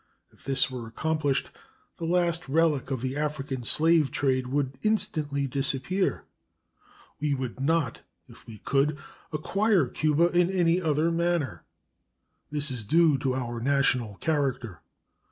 If this were accomplished, the last relic of the African slave trade would instantly disappear. We would not, if we could, acquire Cuba in any other manner. This is due to our national character.